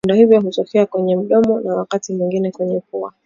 Vidonda hivyo hutokea kwenye mdomo na wakati mwingine kwenye pua